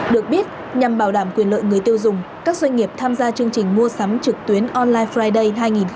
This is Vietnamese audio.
được biết nhằm bảo đảm quyền lợi người tiêu dùng các doanh nghiệp tham gia chương trình mua sắm trực tuyến online friday hai nghìn một mươi chín